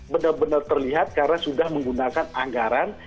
benar benar terlihat karena sudah menggunakan anggaran